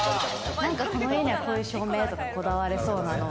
この家にはこういう照明とか、こだわりそうなのは。